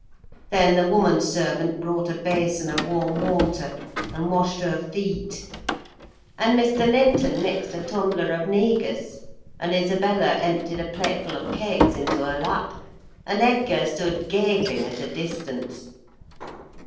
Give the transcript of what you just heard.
Then the woman servant brought a basin of warm water, and washed her feet; and Mr. Linton mixed a tumbler of negus, and Isabella emptied a plateful of cakes into her lap, and Edgar stood gaping at a distance.